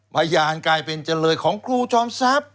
พยานกลายเป็นจำเลยของครูจอมทรัพย์